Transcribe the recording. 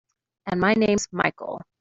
And my name's Michael.